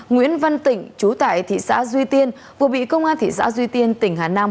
nguyễn văn tịnh chú tại thị xã duy tiên vừa bị công an thị xã duy tiên tỉnh hà nam